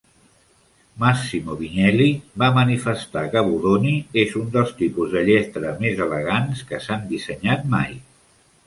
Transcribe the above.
Massimo Vignelli va manifestar que Bodoni és un dels tipus de lletra més elegants que s'han dissenyat mai.